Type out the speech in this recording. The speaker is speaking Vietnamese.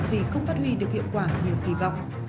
vì không phát huy được hiệu quả như kỳ vọng